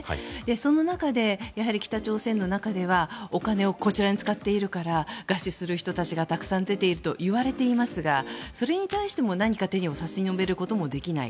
その中で、北朝鮮の中ではお金をこちらに使っているから餓死する人たちがたくさん出ているといわれていますがそれに対しても何か手を差し伸べることもできない。